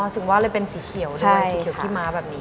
ถึงว่าเลยเป็นสีเขียวด้วยสีเขียวขี้ม้าแบบนี้